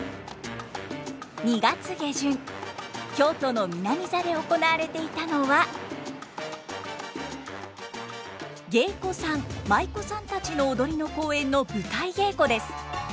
２月下旬京都の南座で行われていたのは芸妓さん舞妓さんたちの踊りの公演の舞台稽古です。